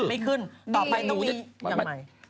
ไม่ขึ้นต่อไปต้องมีกันใหม่